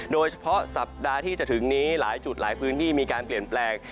โดยเฉพาะสัปดาห์ที่จะถึงนี้หลายจุดหลายพื้นที่มีการเปลี่ยนแปลง